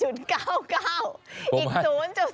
อีก๐๐๑มาจากไหน